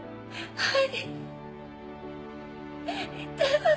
はい。